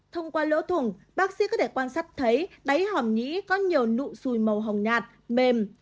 thông qua lỗ thủng bác sĩ có thể quan sát thấy đáy hỏm nhĩ có nhiều nụ xùi màu hồng nhạt mềm